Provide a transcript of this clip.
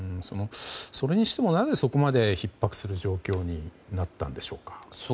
それにしてもなぜそこまでひっ迫する状況になったんでしょうか。